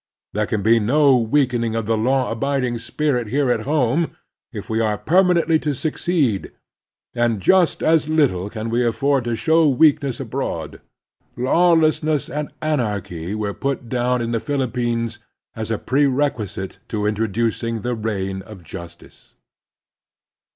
There can be no weakening of the law abiding spirit here at home, if we are permanently to succeed ; and just as little can we afford to show weakness abroad. Lawlessness and anarchy were put down in the Philippines as a prerequisite to introducing the reign of justice.